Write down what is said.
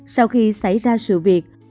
sau khi xảy ra sự việc